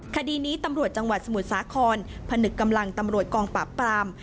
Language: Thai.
คดีนี้ตำรวจจังหวัดสมุทรสาครพนึกกำลังตำรวจกองปราบปราม